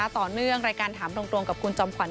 ต่อเนื่องรายการถามตรงกับคุณจอมขวั